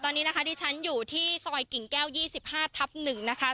ตอนนี้นะคะที่ฉันอยู่ที่ซอยกิ่งแก้ว๒๕ทับ๑นะคะ